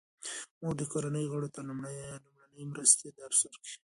مور د کورنۍ غړو ته د لومړنۍ مرستې درس ورکوي.